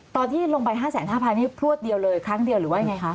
ตอนที่ลงไป๕๐๐๐๐๐๕๐๐๐นี่พลวทครั้งเดียวเลยหรือว่าอย่างไรคะ